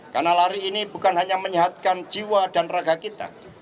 karena lari ini bukan hanya menyehatkan jiwa dan raga kita